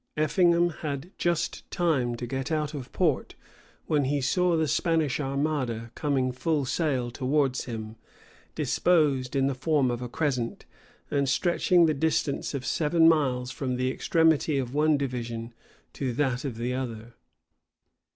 Effingham had just time to get out of port, when he saw the Spanish armada coming full sail towards him, disposed in the form of a crescent, and stretching the distance of seven miles from the extremity of one division to that of the other.